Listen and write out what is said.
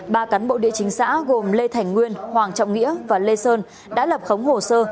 ba cán bộ địa chính xã gồm lê thành nguyên hoàng trọng nghĩa và lê sơn đã lập khống hồ sơ